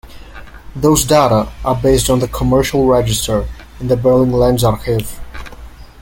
Those data are based on the commercial register in the Berlin Landesarchiv.